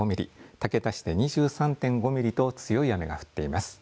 竹田市で２３．５ミリと強い雨が降っています。